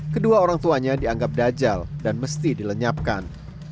kedua orang tuanya dianggap dajal dan mesti dilenyapkan